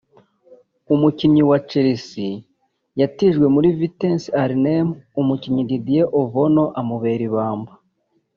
umukinnyi wa Chelsea yatijwe muri Vitesse Arnhem umunyezamu Didier Ovono amubera ibamba